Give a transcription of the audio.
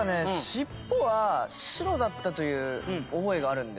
尻尾は白だったという覚えがあるんですよ。